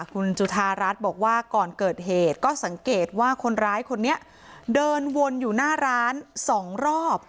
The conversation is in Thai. คุณจุธารัฐบอกว่าก่อนเกิดเหตุก็สังเกตว่าคนร้ายคนนี้เดินวนอยู่หน้าร้านสองรอบ